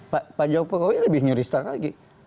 pak jokowi lebih nyuristat lagi